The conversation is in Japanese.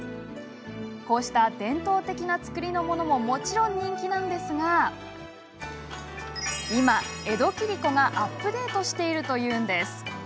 こうした伝統的な作りのものももちろん人気なんですが今、江戸切子がアップデートしているというんです。